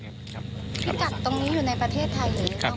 ที่กัดตรงนี้อยู่ในประเทศไทยหรือออกประเทศไทย